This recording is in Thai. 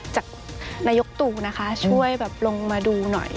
จากนายกตู่นะคะช่วยแบบลงมาดูหน่อย